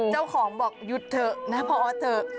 เจ้าของบอกหยุดเถอะนะพอเถอะ